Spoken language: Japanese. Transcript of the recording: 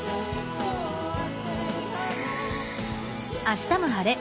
「あしたも晴れ！